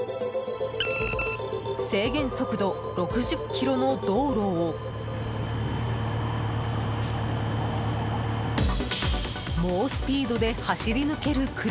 制限速度６０キロの道路を猛スピードで走り抜ける車。